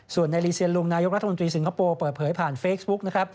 ส่วนในรีเซียนลุงนายกรัฐมนตรีสิงคโปร์เปิดเผยผ่านเฟซบุ๊กนะครับ